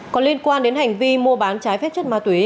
có liên quan đến hành vi mua bán trái phép chất ma túy